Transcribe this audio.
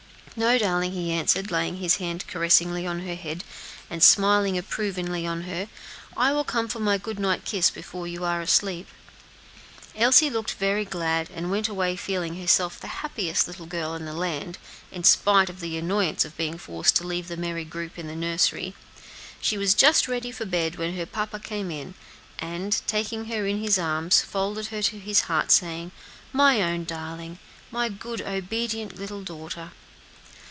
"No, darling," he answered, laying his hand caressingly on her head, and smiling approvingly on her; "I will come for my good night kiss before you are asleep." Elsie looked very glad, and went away feeling herself the happiest little girl in the land, in spite of the annoyance of being forced to leave the merry group in the nursery. She was just ready for bed when her papa came in, and, taking her in his arms, folded her to his heart, saying, "My own darling! my good, obedient little daughter!"